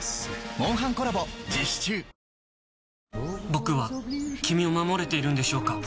僕は君を守れているんでしょうか？